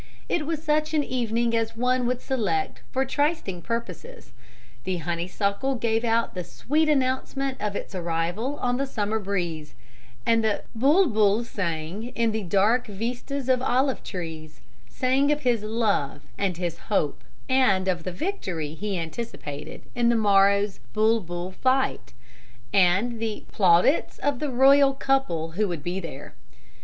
It was such an evening as one would select for trysting purposes. The honeysuckle gave out the sweet announcement of its arrival on the summer breeze, and the bulbul sang in the dark vistas of olive trees, sang of his love and his hope, and of the victory he anticipated in the morrow's bulbul fight, and the plaudits of the royal couple who would be there.